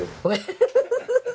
フフフフ！